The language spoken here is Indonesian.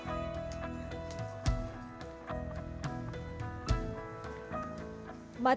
tiara memperkenalkan kain untuk membuat kain